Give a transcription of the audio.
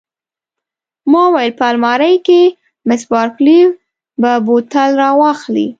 ما وویل: په المارۍ کې، مس بارکلي به بوتل را واخلي.